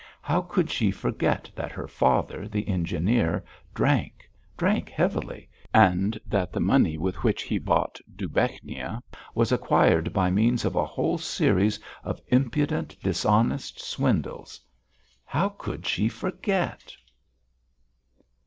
How could she forget that her father, the engineer, drank, drank heavily, and that the money with which he bought Dubechnia was acquired by means of a whole series of impudent, dishonest swindles? How could she forget?